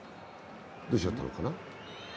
どうしちゃったのかな？